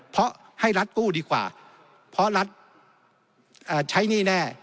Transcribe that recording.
เพราะให้รัฐกู้ดีกว่าเพราะรัฐใช้หนี้แน่